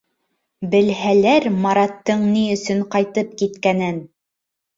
Белһәләр, Мараттың ни өсөн ҡайтып киткәнен!